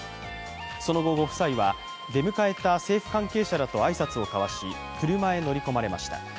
その後、ご夫妻は出迎えた政府関係者らと挨拶を交わし、車へ乗り込まれました。